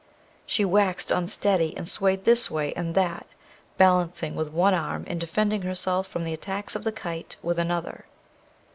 She waxed unsteady and swayed this way and that, balancing with one arm and defending herself from the attacks of the kite with another.